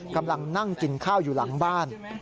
กำลังนั่งกินข้าวอยู่หลังบ้าน